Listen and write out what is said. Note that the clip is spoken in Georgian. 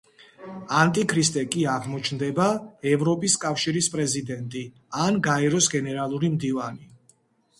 ანტიქრისტე კი აღმოჩნდება ევროპის კავშირის პრეზიდენტი ან გაეროს გენერალური მდივანი.